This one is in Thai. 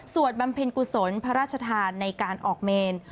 บำเพ็ญกุศลพระราชทานในการออกเมน